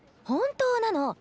本当なの。